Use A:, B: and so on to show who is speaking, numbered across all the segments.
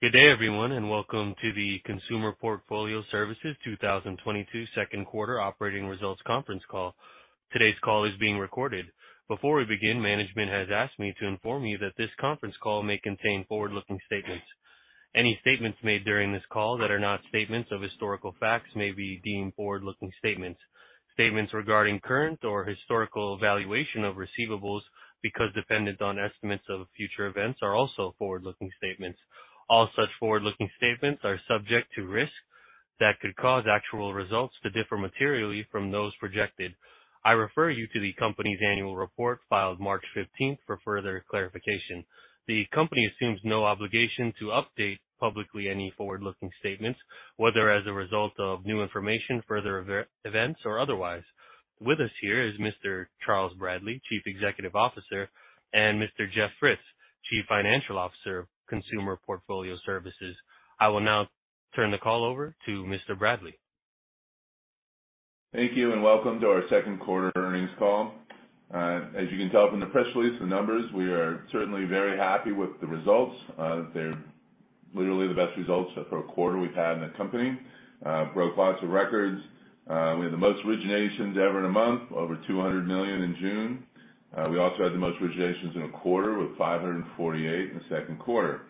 A: Good day, everyone, and welcome to the Consumer Portfolio Services 2022 second quarter operating results conference call. Today's call is being recorded. Before we begin, management has asked me to inform you that this conference call may contain forward-looking statements. Any statements made during this call that are not statements of historical facts may be deemed forward-looking statements. Statements regarding current or historical valuation of receivables because dependent on estimates of future events are also forward-looking statements. All such forward-looking statements are subject to risk that could cause actual results to differ materially from those projected. I refer you to the company's annual report filed March 15th for further clarification. The company assumes no obligation to update publicly any forward-looking statements, whether as a result of new information, further events or otherwise. With us here is Mr. Charles Bradley, Chief Executive Officer; and Mr. Jeff Fritz, Chief Financial Officer of Consumer Portfolio Services. I will now turn the call over to Mr. Bradley.
B: Thank you, and welcome to our second-quarter earnings call. As you can tell from the press release, the numbers, we are certainly very happy with the results. They're literally the best results for a quarter we've had in the company. Broke lots of records. We had the most originations ever in a month, over $200 million in June. We also had the most originations in a quarter with $548 million in the second quarter.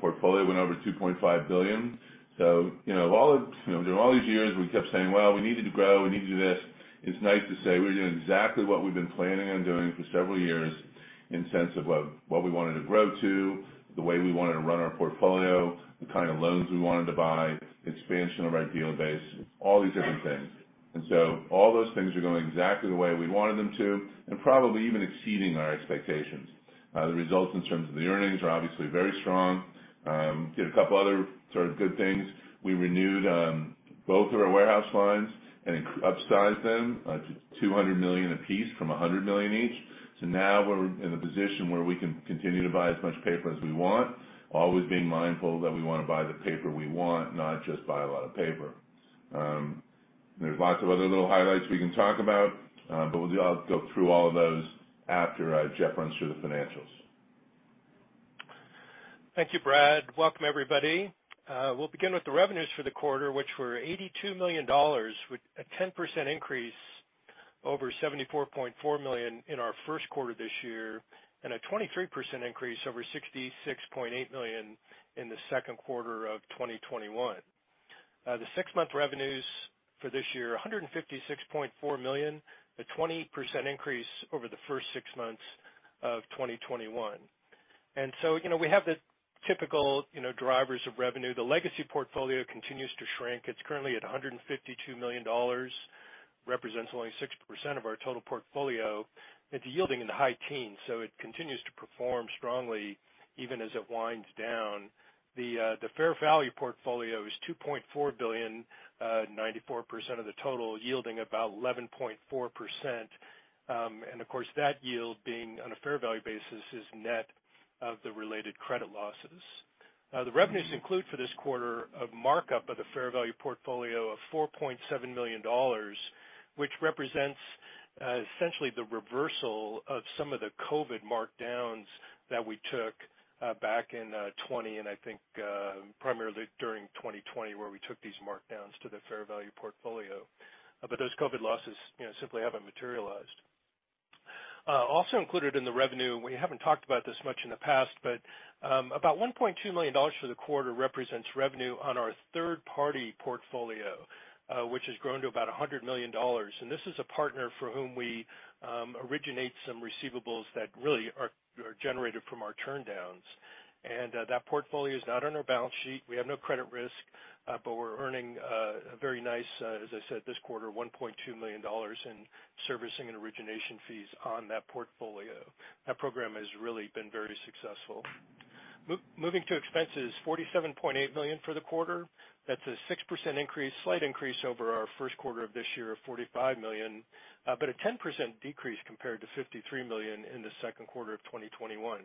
B: Portfolio went over $2.5 billion. You know, all of, you know, during all these years, we kept saying, "Well, we need you to grow. We need to do this." It's nice to say we're doing exactly what we've been planning on doing for several years in the sense of what we wanted to grow to, the way we wanted to run our portfolio, the kind of loans we wanted to buy, expansion of our deal base, all these different things. All those things are going exactly the way we wanted them to and probably even exceeding our expectations. The results in terms of the earnings are obviously very strong. Did a couple other sort of good things. We renewed both of our warehouse lines and upsized them to $200 million apiece from $100 million each. Now we're in a position where we can continue to buy as much paper as we want, always being mindful that we wanna buy the paper we want, not just buy a lot of paper. There's lots of other little highlights we can talk about, but we'll go through all of those after Jeff runs through the financials.
C: Thank you, Brad. Welcome, everybody. We'll begin with the revenues for the quarter, which were $82 million, with a 10% increase over $74.4 million in our first quarter this year, and a 23% increase over $66.8 million in the second quarter of 2021. The six-month revenues for this year, $156.4 million, a 20% increase over the first six months of 2021. You know, we have the typical, you know, drivers of revenue. The legacy portfolio continues to shrink. It's currently at $152 million, represents only 6% of our total portfolio. It's yielding in the high teens, so it continues to perform strongly even as it winds down. The fair value portfolio is $2.4 billion, 94% of the total yielding about 11.4%. Of course, that yield being on a fair value basis is net of the related credit losses. The revenues include for this quarter a markup of the fair value portfolio of $4.7 million, which represents essentially the reversal of some of the COVID markdowns that we took back in 2020, and I think primarily during 2020 where we took these markdowns to the fair value portfolio. Those COVID losses, you know, simply haven't materialized. Also included in the revenue, we haven't talked about this much in the past, but about $1.2 million for the quarter represents revenue on our third-party portfolio, which has grown to about $100 million. This is a partner for whom we originate some receivables that really are generated from our turndowns. That portfolio is not on our balance sheet. We have no credit risk, but we're earning a very nice, as I said this quarter, $1.2 million in servicing and origination fees on that portfolio. That program has really been very successful. Moving to expenses, $47.8 million for the quarter. That's a 6% increase, slight increase over our first quarter of this year of $45 million, but a 10% decrease compared to $53 million in the second quarter of 2021.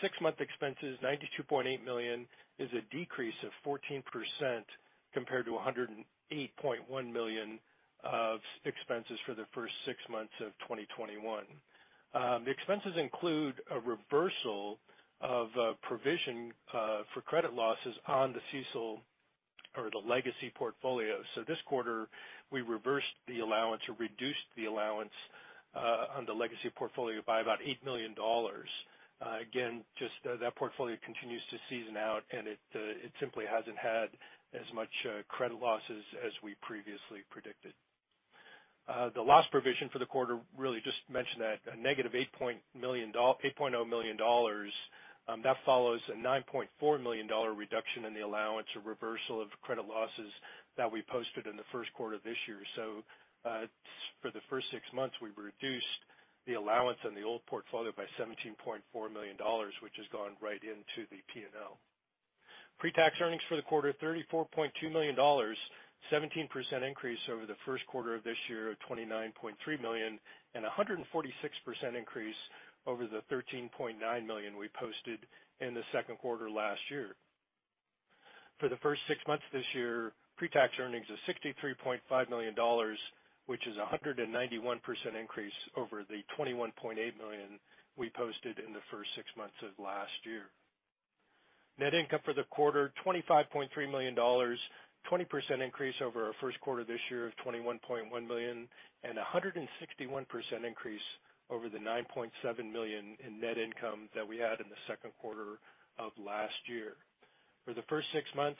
C: Six-month expenses, $92.8 million is a decrease of 14% compared to $108.1 million of expenses for the first six months of 2021. The expenses include a reversal of a provision for credit losses on the CECL or the legacy portfolio. This quarter, we reversed the allowance or reduced the allowance on the legacy portfolio by about $8 million. Again, just, that portfolio continues to season out, and it simply hasn't had as much credit losses as we previously predicted. The loss provision for the quarter was really just a $-8.0 million. That follows a $9.4 million reduction in the allowance or reversal of credit losses that we posted in the first quarter of this year. For the first six months, we've reduced the allowance on the old portfolio by $17.4 million, which has gone right into the P&L. Pre-tax earnings for the quarter, $34.2 million, 17% increase over the first quarter of this year of $29.3 million and a 146% increase over the $13.9 million we posted in the second quarter last year. For the first six months this year, pre-tax earnings of $63.5 million, which is a 191% increase over the $21.8 million we posted in the first six months of last year. Net income for the quarter: $25.3 million. 20% increase over our first quarter this year of $21.1 million, and a 161% increase over the $9.7 million in net income that we had in the second quarter of last year. For the first six months,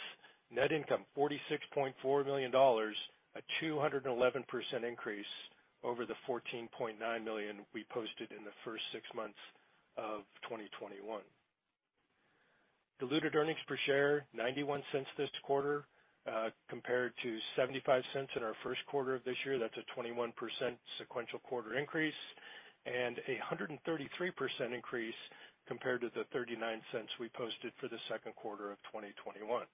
C: net income $46.4 million, a 211% increase over the $14.9 million we posted in the first six months of 2021. Diluted earnings per share $0.91 this quarter, compared to $0.75 in our first quarter of this year. That's a 21% sequential quarter increase and a 133% increase compared to the $0.39 we posted for the second quarter of 2021.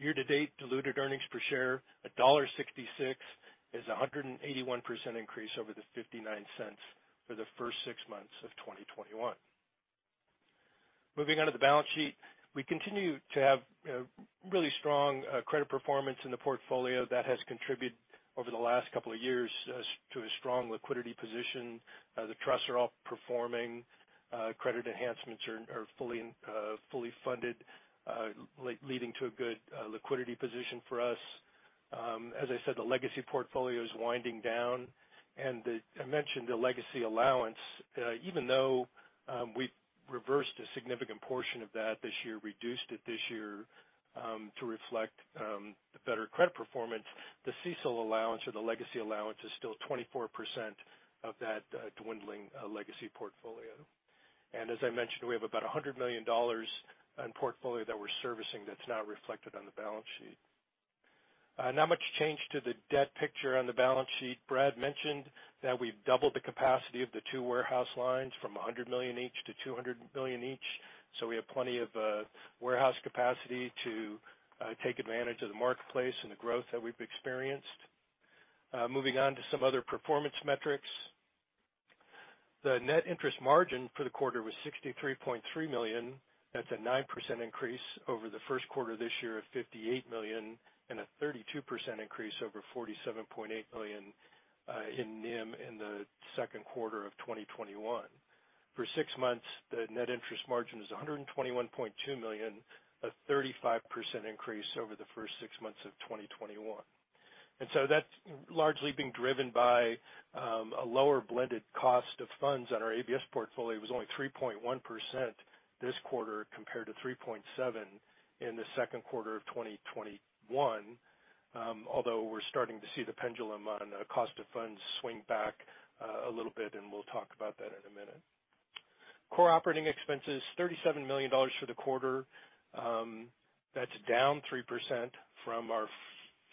C: Year to date diluted earnings per share $1.66. It's a 181% increase over the $0.59 for the first six months of 2021. Moving on to the balance sheet. We continue to have really strong credit performance in the portfolio that has contributed over the last couple of years to a strong liquidity position. The trusts are all performing. Credit enhancements are fully funded, leading to a good liquidity position for us. As I said, the legacy portfolio is winding down. I mentioned the legacy allowance. Even though we've reversed a significant portion of that this year, reduced it this year, to reflect the better credit performance, the CECL allowance or the legacy allowance is still 24% of that, dwindling legacy portfolio. As I mentioned, we have about $100 million in portfolio that we're servicing that's not reflected on the balance sheet. Not much change to the debt picture on the balance sheet. Brad mentioned that we've doubled the capacity of the two warehouse lines from $100 million each to $200 million each, so we have plenty of warehouse capacity to take advantage of the marketplace and the growth that we've experienced. Moving on to some other performance metrics. The net interest margin for the quarter was $63.3 million. That's a 9% increase over the first quarter this year of $58 million and a 32% increase over $47.8 million in NIM in the second quarter of 2021. For six months, the net interest margin is $121.2 million, a 35% increase over the first six months of 2021. That's largely been driven by a lower blended cost of funds on our ABS portfolio. It was only 3.1% this quarter, compared to 3.7% in the second quarter of 2021, although we're starting to see the pendulum on the cost of funds swing back, a little bit, and we'll talk about that in a minute. Core operating expenses, $37 million for the quarter. That's down 3% from our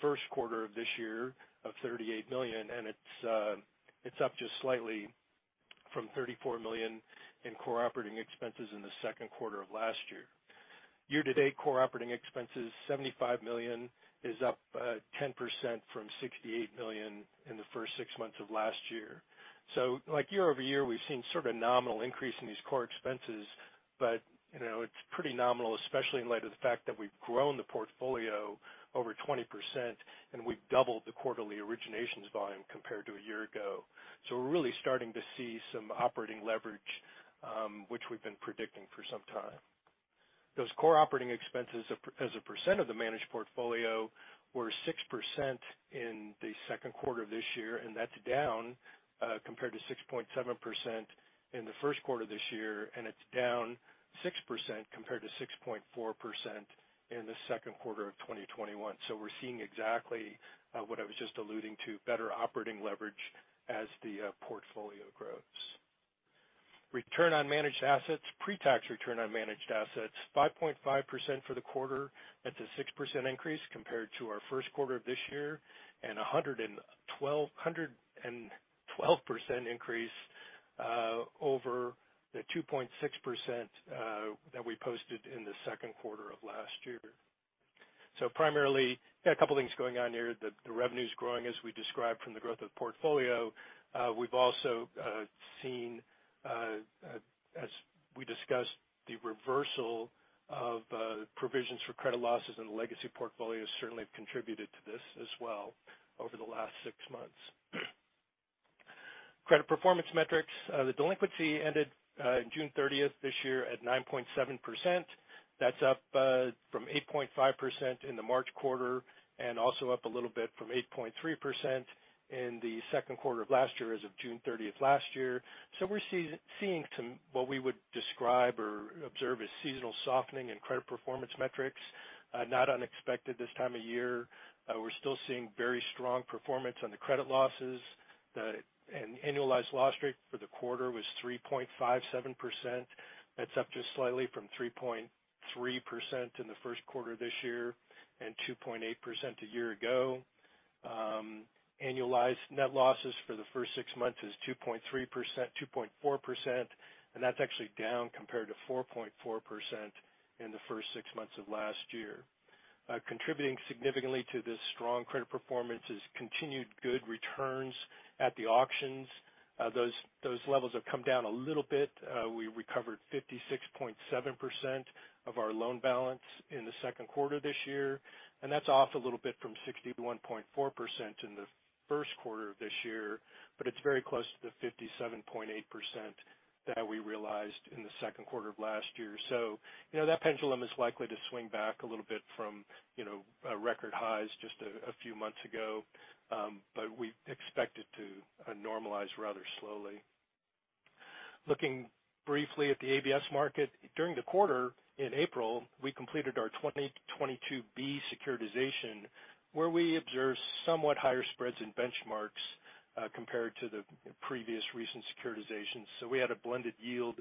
C: first quarter of this year of $38 million, and it's up just slightly from $34 million in core operating expenses in the second quarter of last year. Year-to-date core operating expenses, $75 million, is up 10% from $68 million in the first six months of last year. Like year-over-year, we've seen sort of a nominal increase in these core expenses, but, you know, it's pretty nominal, especially in light of the fact that we've grown the portfolio over 20% and we've doubled the quarterly originations volume compared to a year ago. We're really starting to see some operating leverage, which we've been predicting for some time. Those core operating expenses as a percent of the managed portfolio were 6% in the second quarter of this year, and that's down compared to 6.7% in the first quarter of this year, and it's down 6% compared to 6.4% in the second quarter of 2021. We're seeing exactly what I was just alluding to, better operating leverage as the portfolio grows. Return on managed assets. Pre-tax return on managed assets, 5.5% for the quarter. That's a 6% increase compared to our first quarter of this year and a 112% increase over the 2.6% that we posted in the second quarter of last year. Primarily, yeah, a couple things going on here. The revenue's growing as we described from the growth of portfolio. We've also seen, as we discussed, the reversal of provisions for credit losses and the legacy portfolio has certainly contributed to this as well over the last six months. Credit performance metrics. The delinquency ended June 30th this year at 9.7%. That's up from 8.5% in the March quarter and also up a little bit from 8.3% in the second quarter of last year as of June 30th last year. We're seeing some, what we would describe or observe as seasonal softening in credit performance metrics. Not unexpected this time of year. We're still seeing very strong performance on the credit losses. An annualized loss rate for the quarter was 3.57%. That's up just slightly from 3.3% in the first quarter of this year and 2.8% a year ago. Annualized net losses for the first six months is 2.3%, 2.4%, and that's actually down compared to 4.4% in the first six months of last year. Contributing significantly to this strong credit performance is continued good returns at the auctions. Those levels have come down a little bit. We recovered 56.7% of our loan balance in the second quarter this year, and that's off a little bit from 61.4% in the first quarter of this year, but it's very close to the 57.8% that we realized in the second quarter of last year. You know, that pendulum is likely to swing back a little bit from, you know, record highs just a few months ago. We expect it to normalize rather slowly. Looking briefly at the ABS market. During the quarter in April, we completed our 2022-B securitization, where we observed somewhat higher spreads in benchmarks compared to the previous recent securitizations. We had a blended yield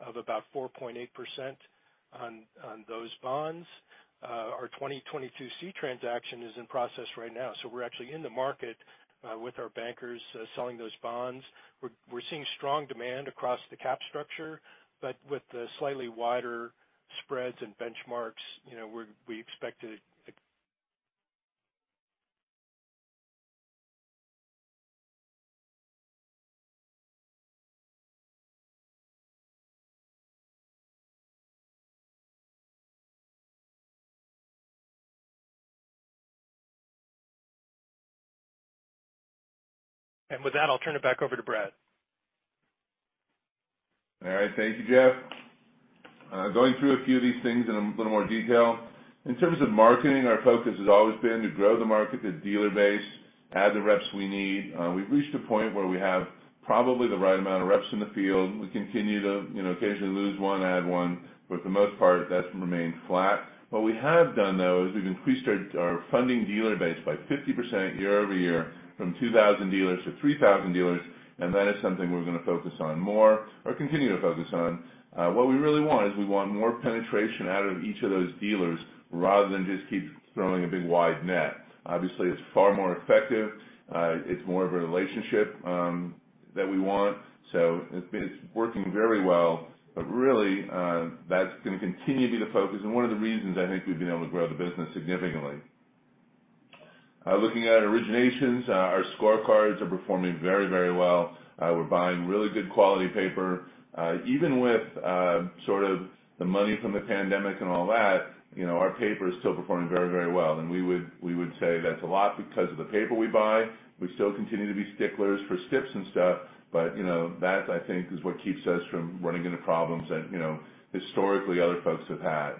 C: of about 4.8% on those bonds. Our 2022-C transaction is in process right now, so we're actually in the market with our bankers selling those bonds. We're seeing strong demand across the capital structure, but with the slightly wider spreads and benchmarks, you know. With that, I'll turn it back over to Brad.
B: All right. Thank you, Jeff. Going through a few of these things in a little more detail. In terms of marketing, our focus has always been to grow the market, the dealer base, add the reps we need. We've reached a point where we have probably the right amount of reps in the field. We continue to, you know, occasionally lose one, add one, but for the most part, that's remained flat. What we have done, though, is we've increased our funding dealer base by 50% year-over-year from 2,000 dealers-3,000 dealers, and that is something we're gonna focus on more or continue to focus on. What we really want is we want more penetration out of each of those dealers rather than just keep throwing a big wide net. Obviously, it's far more effective. It's more of a relationship that we want, so it's been working very well. Really, that's gonna continue to be the focus and one of the reasons I think we've been able to grow the business significantly. Looking at originations, our scorecards are performing very, very well. We're buying really good quality paper. Even with sort of the money from the pandemic and all that, you know, our paper is still performing very, very well. We would say that's a lot because of the paper we buy. We still continue to be sticklers for stips and stuff, but you know, that, I think, is what keeps us from running into problems that, you know, historically other folks have had.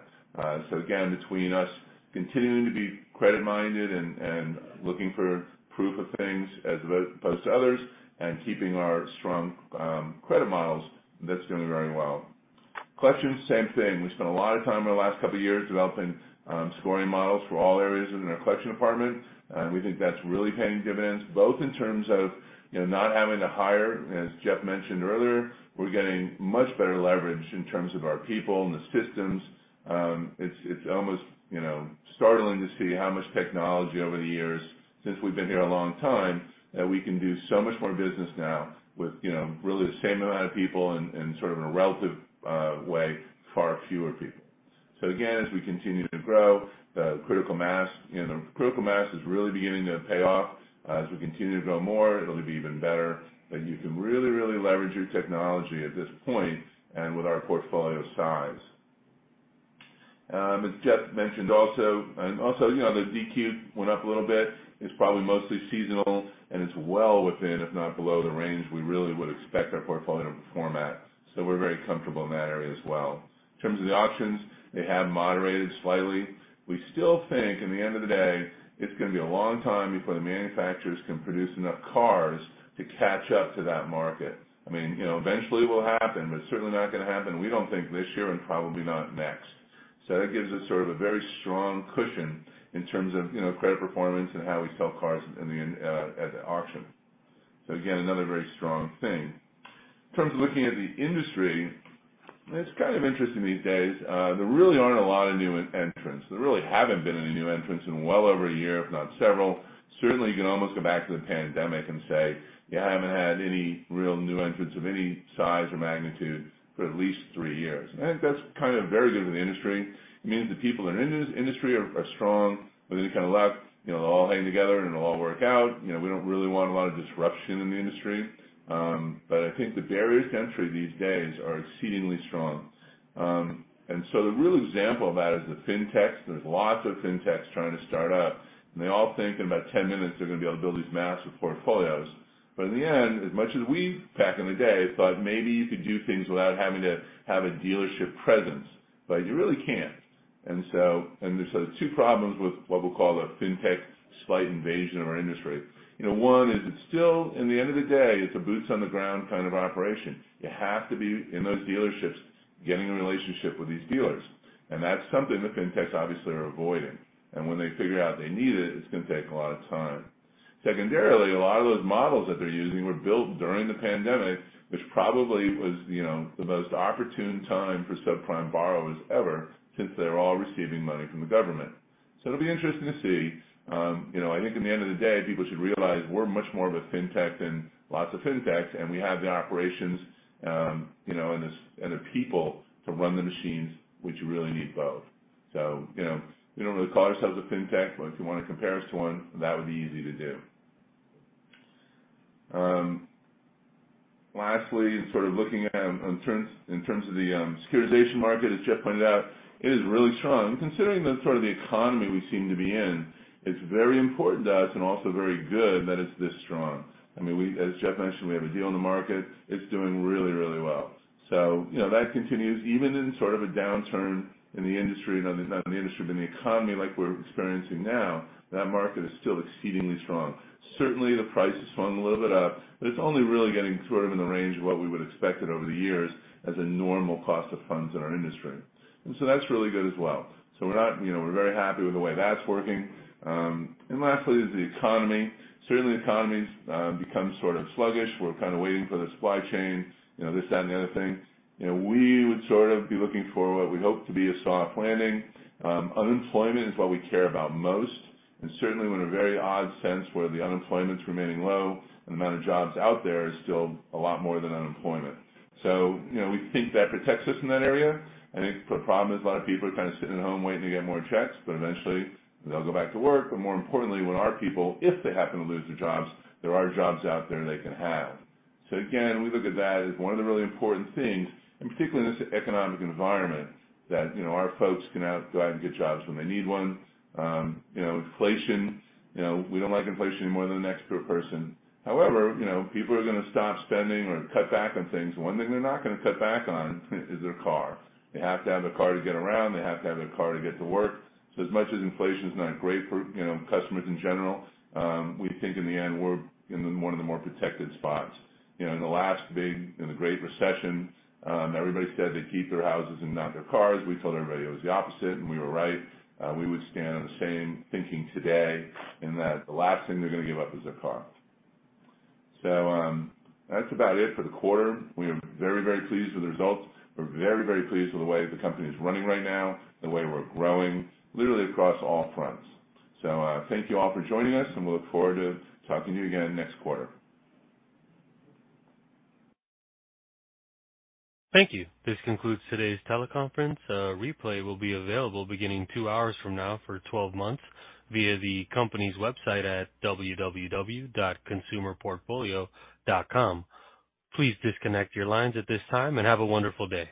B: Again, between us continuing to be credit-minded and looking for proof of things as opposed to others and keeping our strong credit models, that's doing very well. Collections, same thing. We spent a lot of time in the last couple of years developing scoring models for all areas in our collection department. We think that's really paying dividends, both in terms of, you know, not having to hire, as Jeff mentioned earlier. We're getting much better leverage in terms of our people and the systems. It's almost, you know, startling to see how much technology over the years since we've been here a long time, that we can do so much more business now with, you know, really the same amount of people and sort of in a relative way, far fewer people. Again, as we continue to grow, the critical mass, you know, is really beginning to pay off. As we continue to grow more, it'll be even better. You can really, really leverage your technology at this point and with our portfolio size. As Jeff mentioned, you know, the DQ went up a little bit. It's probably mostly seasonal, and it's well within, if not below, the range we really would expect our portfolio to perform at. We're very comfortable in that area as well. In terms of the auctions, they have moderated slightly. We still think, at the end of the day, it's gonna be a long time before the manufacturers can produce enough cars to catch up to that market. I mean, you know, eventually it will happen, but it's certainly not gonna happen, we don't think, this year and probably not next. So that gives us sort of a very strong cushion in terms of, you know, credit performance and how we sell cars in the end, at the auction. So again, another very strong thing. In terms of looking at the industry, it's kind of interesting these days. There really aren't a lot of new entrants. There really haven't been any new entrants in well over a year, if not several. Certainly, you can almost go back to the pandemic and say you haven't had any real new entrants of any size or magnitude for at least three years. I think that's kind of very good for the industry. It means the people in industry are strong. With any kind of luck, you know, they'll all hang together and it'll all work out. You know, we don't really want a lot of disruption in the industry. I think the barriers to entry these days are exceedingly strong. The real example of that is the fintechs. There's lots of fintechs trying to start up, and they all think in about 10 minutes they're gonna be able to build these massive portfolios. But in the end, as much as we back in the day thought maybe you could do things without having to have a dealership presence, but you really can't. There's two problems with what we'll call a fintech slight invasion of our industry. You know, one is it's still, in the end of the day, it's a boots on the ground kind of operation. You have to be in those dealerships getting a relationship with these dealers. That's something the fintechs obviously are avoiding. When they figure out they need it's gonna take a lot of time. Secondarily, a lot of those models that they're using were built during the pandemic, which probably was, you know, the most opportune time for subprime borrowers ever since they're all receiving money from the government. It'll be interesting to see. You know, I think in the end of the day, people should realize we're much more of a fintech than lots of fintechs, and we have the operations, you know, and the people to run the machines, which you really need both. You know, we don't really call ourselves a fintech, but if you want to compare us to one, that would be easy to do. Lastly, sort of looking at on terms, in terms of the securitization market, as Jeff pointed out, it is really strong considering the sort of the economy we seem to be in. It's very important to us and also very good that it's this strong. I mean, as Jeff mentioned, we have a deal in the market. It's doing really, really well. You know, that continues even in sort of a downturn in the industry, not in the industry, but in the economy like we're experiencing now, that market is still exceedingly strong. Certainly, the price has swung a little bit up, but it's only really getting sort of in the range of what we would expected over the years as a normal cost of funds in our industry. That's really good as well. We're not, you know, we're very happy with the way that's working. Lastly is the economy. Certainly, the economy's become sort of sluggish. We're kind of waiting for the supply chain, you know, this, that, and the other thing. You know, we would sort of be looking for what we hope to be a soft landing. Unemployment is what we care about most. Certainly, we're in a very odd sense, where the unemployment's remaining low and the amount of jobs out there is still a lot more than unemployment. You know, we think that protects us in that area. I think the problem is a lot of people are kind of sitting at home waiting to get more checks, but eventually they'll go back to work. More importantly, when our people, if they happen to lose their jobs, there are jobs out there they can have. Again, we look at that as one of the really important things, and particularly in this economic environment, that, you know, our folks can go out and get jobs when they need one. You know, inflation, you know, we don't like inflation any more than the next poor person. However, you know, people are gonna stop spending or cut back on things. One thing they're not gonna cut back on is their car. They have to have their car to get around. They have to have their car to get to work. As much as inflation is not great for, you know, customers in general, we think in the end we're in one of the more protected spots. You know, in the Great Recession, everybody said they'd keep their houses and not their cars. We told everybody it was the opposite, and we were right. We would stand on the same thinking today, in that the last thing they're gonna give up is their car. That's about it for the quarter. We are very, very pleased with the results. We're very, very pleased with the way the company is running right now, the way we're growing, literally across all fronts. Thank you all for joining us, and we'll look forward to talking to you again next quarter.
A: Thank you. This concludes today's teleconference. A replay will be available beginning two hours from now for 12 months via the company's website at www.consumerportfolio.com. Please disconnect your lines at this time and have a wonderful day.